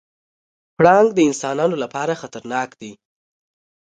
پړانګ د انسانانو لپاره خطرناک دی.